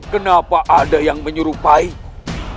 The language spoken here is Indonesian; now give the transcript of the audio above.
kenapa ada yang menyerupai ku